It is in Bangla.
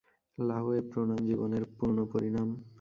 লহো এ প্রণাম জীবনের পূর্ণপরিণাম।